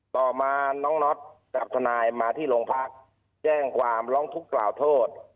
ต่อมาน้องน็อตกับทนายมาที่โรงพักแจ้งความร้องทุกข์กล่าวโทษ